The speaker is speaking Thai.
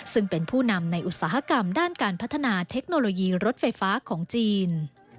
ซึ่งเป็นผู้นำในอุตสาหกรรมด้านการพัฒนาเทคโนโลยีรถไฟฟ้าของจีน